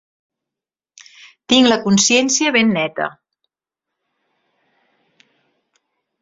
Tinc la consciència ben neta.